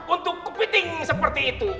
untuk kepiting seperti itu